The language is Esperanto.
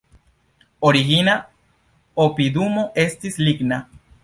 Origina opidumo estis ligna.